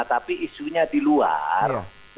tapi isunya di luar